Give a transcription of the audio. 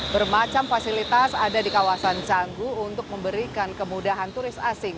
bermacam fasilitas ada di kawasan canggu untuk memberikan kemudahan turis asing